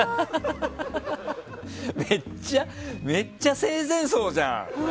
めっちゃ生前葬じゃん！